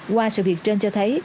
qua sự việc trên cho thấy